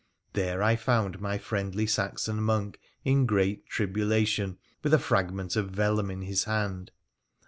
There I found my friendly Saxon monk in great tribulation, with a fragment of vellum in his hand.